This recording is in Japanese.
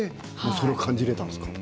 それを感じられたんですか？